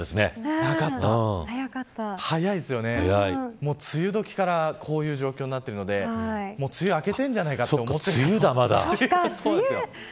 早いですよね、梅雨どきからこういう状況になっているので梅雨明けてるんじゃないかと思ってしまう。